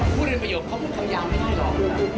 พูดเป็นประโยคเขาพูดคำยาวไม่ได้หรอก